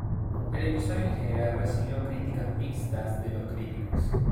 El episodio en general recibió críticas mixtas de los críticos.